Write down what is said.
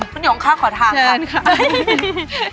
คุณหย่องข้าขอทางค่ะเชิญค่ะ